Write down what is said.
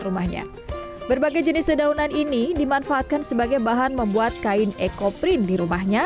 rumahnya berbagai jenis dedaunan ini dimanfaatkan sebagai bahan membuat kain ekoprint di rumahnya